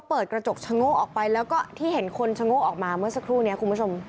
เปิดกระจกชะโง่ออกไปแล้วก็ที่เห็นคนชะโง่ออกมาเมื่อสักครู่นี้คุณผู้ชม